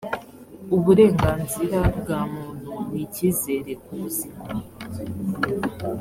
uburenganzira bwa muntu n icyizere ku buzima